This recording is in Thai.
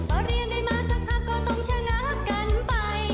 พอเรียนได้มาสักพักก็ต้องชะงักกันไป